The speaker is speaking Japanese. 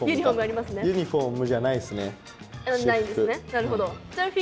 なるほど。